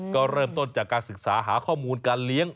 ก็เริ่มต้นจากการศึกษาหาข้อมูลการเลี้ยง